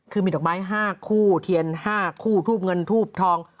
คือมีดอกไม้๕คู่เทียน๕คู่ทูบเงินทูบทอง